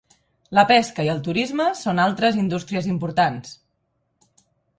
La pesca i el turisme són altres indústries importants.